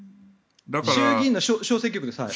衆議院の小選挙区です。